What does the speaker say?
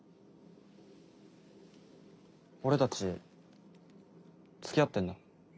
俺たちつきあってんだ。